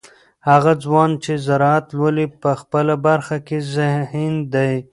هغه ځوان چې زراعت لولي په خپله برخه کې ذهین دی.